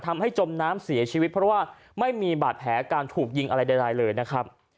จมน้ำเสียชีวิตเพราะว่าไม่มีบาดแผลการถูกยิงอะไรใดเลยนะครับ